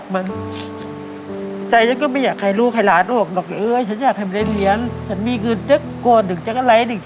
มันคือความจำเป็นจริงนะลูก